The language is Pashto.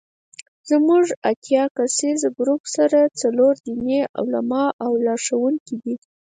زموږ اتیا کسیز ګروپ سره څلور دیني عالمان او لارښوونکي دي.